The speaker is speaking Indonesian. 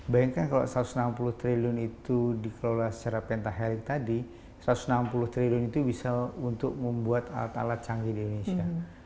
bayangkan kalau satu ratus enam puluh triliun itu dikelola secara pentaharing tadi satu ratus enam puluh triliun itu bisa untuk membuat alat alat canggih di indonesia